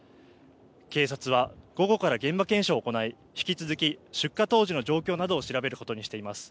警察は午後から現場検証を行い引き続き出火当時の状況などを調べることにしています。